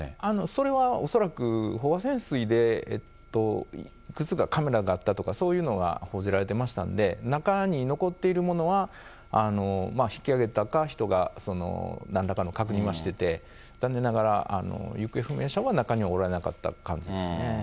それは恐らく飽和潜水でいくつかカメラがあったとかそういうことが報じられてましたので、中に残っているものは、引きあげたか、人がなんらかの確認はしてて、残念ながら行方不明者は中におられなかった感じですね。